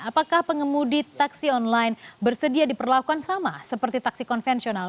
apakah pengemudi taksi online bersedia diperlakukan sama seperti taksi konvensional